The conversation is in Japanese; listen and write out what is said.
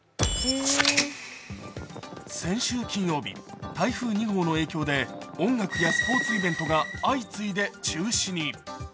先週金曜日、台風２号の影響で音楽やスポ−ツイベントが相次いで中止に。